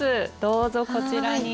どうぞこちらに。